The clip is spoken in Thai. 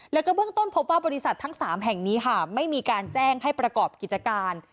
แล้วก็เบื้องต้นพบว่าบริษัททั้ง๓แห่งนี้ค่ะไม่มีการแจ้งให้ประกอบกิจการ